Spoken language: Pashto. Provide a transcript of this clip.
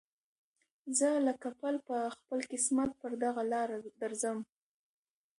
زه لکه پل په خپل قسمت پر دغه لاره درځم